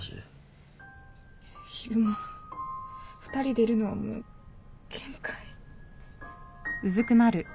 昼間２人でいるのはもう限界。